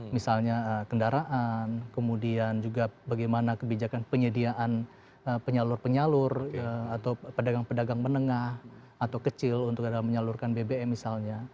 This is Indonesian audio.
misalnya kendaraan kemudian juga bagaimana kebijakan penyediaan penyalur penyalur atau pedagang pedagang menengah atau kecil untuk menyalurkan bbm misalnya